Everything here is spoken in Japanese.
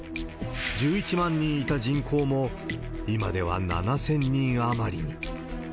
１１万人いた人口も、今では７０００人余りに。